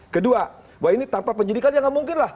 kedua bahwa ini tanpa penyidikan ya nggak mungkin lah